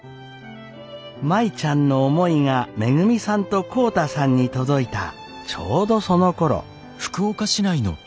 舞ちゃんの思いがめぐみさんと浩太さんに届いたちょうどそのころ。